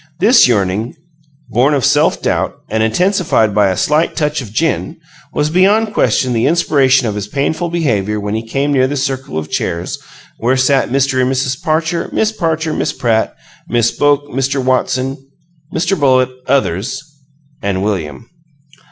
This yearning, born of self doubt, and intensified by a slight touch of gin, was beyond question the inspiration of his painful behavior when he came near the circle of chairs where sat Mr. and Mrs. Parcher, Miss Parcher, Miss Pratt, Miss Boke, Mr. Watson, Mr. Bullitt, others and William.